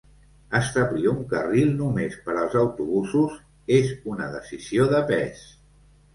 Establir un carril només per als autobusos és una decisió de pes.